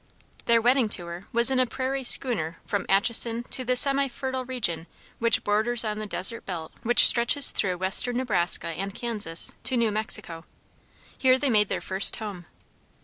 Their wedding tour was in a prairie schooner from Atchison to the semi fertile region which borders on the desert belt which stretches through western Nebraska and Kansas to New Mexico. Here they made their first home.